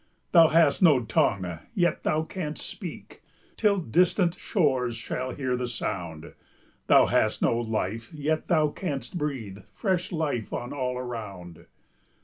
Thou hast no tongue, yet thou canst speak, Till distant shores shall hear the sound; Thou hast no life, yet thou canst breathe Fresh life on all around.